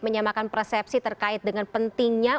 menyamakan persepsi terkait dengan pentingnya